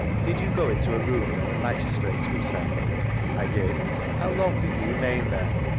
Did you go into a room th^te where the magis trates were assembled? — I did. How long did you remain there